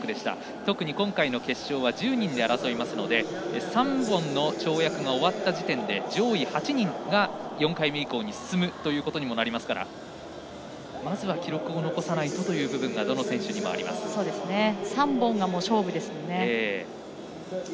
特に今回の決勝は１０人で争いますので３本の跳躍が終わった時点で上位８人が４回目以降に進むことになりますからまずは記録を残さないとという部分が３本が勝負ですものね。